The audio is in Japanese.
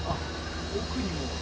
奥にも。